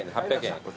８００円。